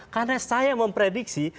karena saya memprediksi